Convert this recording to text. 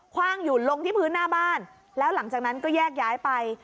ว่างอยู่ลงที่พื้นหน้าบ้านแล้วหลังจากนั้นก็แยกย้ายไป